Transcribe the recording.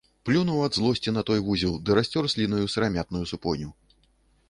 Плюнуў ад злосці на той вузел ды расцёр слінаю сырамятную супоню.